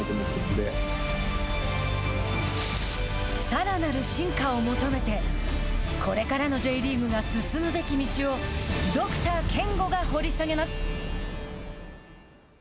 さらなる進化を求めてこれからのＪリーグが進むべき道をドクター憲剛が掘り下げます。